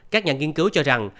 các nhà nghiên cứu cho rằng